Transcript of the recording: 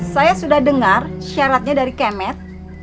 saya sudah dengar syaratnya dari kemet